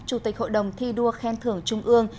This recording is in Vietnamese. chủ tịch hội đồng thi đua khen thưởng trung ương